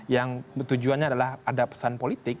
yang tujuannya adalah ada pesan politik